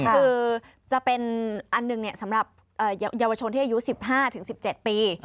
คือจะเป็นอันหนึ่งสำหรับเยาวชนที่อายุ๑๕๑๗ปี